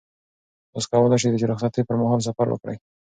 تاسو کولای شئ چې د رخصتۍ پر مهال سفر وکړئ.